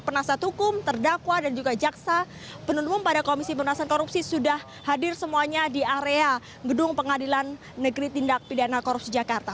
penasihat hukum terdakwa dan juga jaksa penuntung pada komisi penasan korupsi sudah hadir semuanya di area gedung pengadilan negeri tindak pidana korupsi jakarta